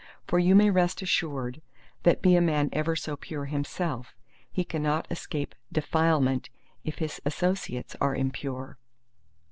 For you may rest assured that be a man ever so pure himself, he cannot escape defilement if his associates are impure.